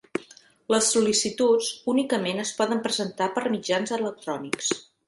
Les sol·licituds únicament es poden presentar per mitjans electrònics.